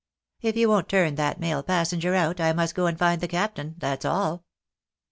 If you won't turn that male passenger out, I must go and find the captain, that's all."